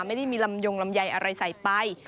ไม่ได้มีลำยงลำไยอะไรใส่ไป